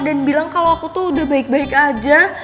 dan bilang kalo aku tuh udah baik baik aja